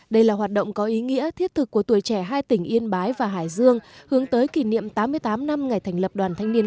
đây là hoạt động có ý nghĩa thiết thực của tuổi trẻ hai tỉnh yên bái và hải dương hướng tới kỷ niệm tám mươi tám năm ngày thành lập đoàn thanh niên